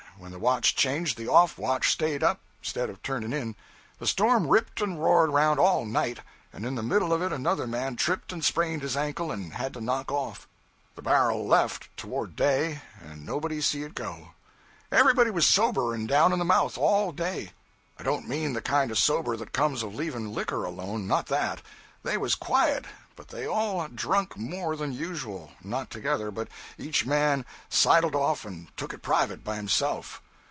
When the watch changed, the off watch stayed up, 'stead of turning in. The storm ripped and roared around all night, and in the middle of it another man tripped and sprained his ankle, and had to knock off. The bar'l left towards day, and nobody see it go. 'Everybody was sober and down in the mouth all day. I don't mean the kind of sober that comes of leaving liquor alone not that. They was quiet, but they all drunk more than usual not together but each man sidled off and took it private, by himself.